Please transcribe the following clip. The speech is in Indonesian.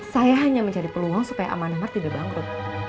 saya hanya mencari peluang supaya amanah mart tidak bangkrut